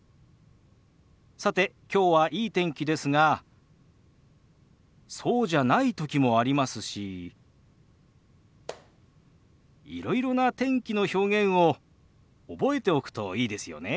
さてきょうはいい天気ですがそうじゃない時もありますしいろいろな天気の表現を覚えておくといいですよね。